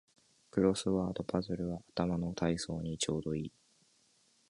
クロスワードパズルは頭の体操にちょうどいい